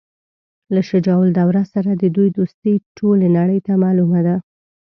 له شجاع الدوله سره د دوی دوستي ټولي نړۍ ته معلومه ده.